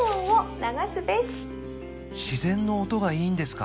自然の音がいいんですか？